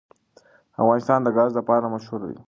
افغانستان د ګاز لپاره مشهور دی.